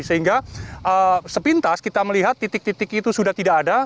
sehingga sepintas kita melihat titik titik itu sudah tidak ada